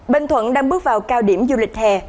bình thuận đang bước vào cao điểm du lịch hè